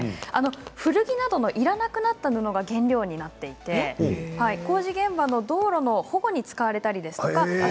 古着などのいらなくなったものが原料となっていて工事現場の道路の保護に使われたりですとか